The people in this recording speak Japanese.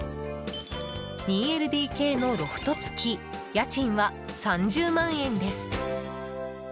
２ＬＤＫのロフト付き家賃は３０万円です。